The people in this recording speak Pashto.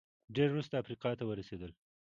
ډېر وروسته افریقا ته ورسېدل